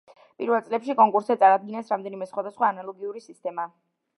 პირველ წლებში კონკურსზე წარადგინეს რამდენიმე სხვადასხვა ანალოგური სისტემა.